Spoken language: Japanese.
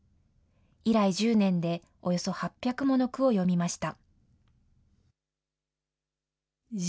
以来１０年でおよそ８００もの句を詠みました。